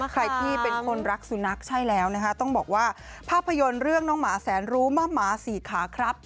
ใครที่เป็นคนรักสุนัขใช่แล้วนะคะต้องบอกว่าภาพยนตร์เรื่องน้องหมาแสนรู้มะหมาสี่ขาครับ